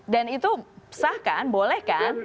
dan itu sah kan boleh kan